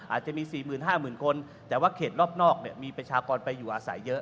อาจจะมีสี่หมื่นห้าหมื่นคนแต่ว่าเขตรอบนอกเนี่ยมีประชากรไปอยู่อาศัยเยอะ